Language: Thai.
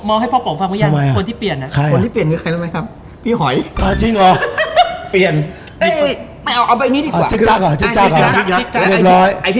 แบบแล้วอยากว่าอะไรพกลับสู้นิท